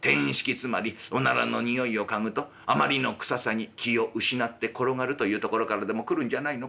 つまりおならの臭いを嗅ぐとあまりの臭さに気を失って転がるというところからでも来るんじゃないのか。